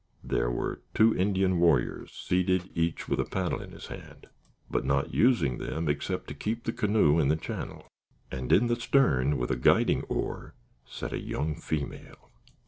There were two Indian warriors seated each with a paddle in his hand, but not using them, except to keep the canoe in the channel, and in the stern, with a guiding oar, sat a young female.